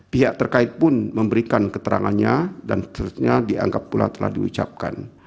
pihak terkait pun memberikan keterangannya dan seterusnya dianggap pula telah diucapkan